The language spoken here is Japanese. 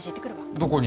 どこに？